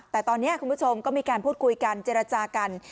แต่ตอนนี้คุณผู้ชมก็มีการพูดคุยกันเจรจากัน